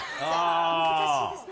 難しいですね。